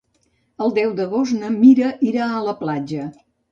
El deu d'agost na Mira irà a la platja.